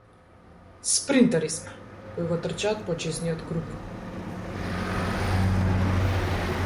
Спринтери сме, кои го трчаат почесниот круг.